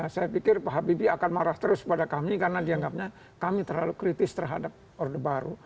saya pikir pak habibie akan marah terus pada kami karena dianggapnya kami terlalu kritis terhadap orde baru